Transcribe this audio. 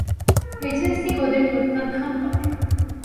Agency ওদের প্রত্যাখ্যান করে।